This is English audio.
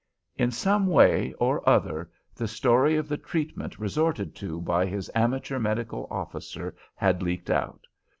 In some way or other the story of the treatment resorted to by his amateur medical officer had leaked out.